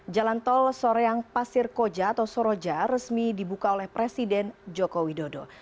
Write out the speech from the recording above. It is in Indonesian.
jalan tol soreang pasir koja atau soroja resmi dibuka oleh presiden joko widodo